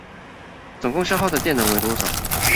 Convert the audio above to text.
總共消耗的電能為多少？